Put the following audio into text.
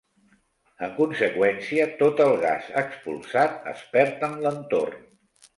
En conseqüència, tot el gas expulsat es perd en l'entorn.